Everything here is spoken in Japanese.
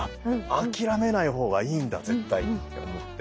諦めない方がいいんだ絶対！と思って。